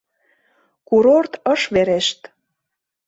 Курорт ыш верешт.